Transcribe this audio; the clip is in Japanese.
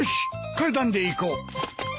階段で行こう。